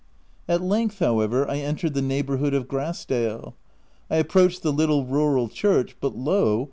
At length however, I entered the neighbour hood of Grass dale. I approached the little rural church — but lo